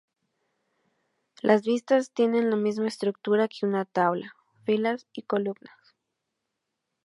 Las vistas tienen la misma estructura que una tabla: filas y columnas.